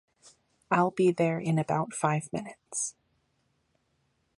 I'll be there in about five minutes.